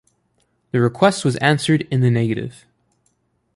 The request was answered in the negative.